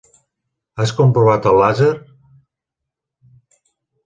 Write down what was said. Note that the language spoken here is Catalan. Has comprovat el làser?